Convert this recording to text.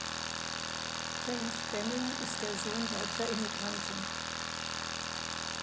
James Benning ist der Sohn deutscher Immigranten.